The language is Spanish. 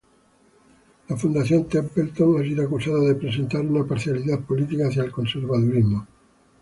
La Fundación Templeton ha sido acusada de presentar una parcialidad política hacia el conservadurismo.